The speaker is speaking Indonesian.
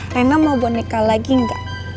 rena mau boneka lagi nggak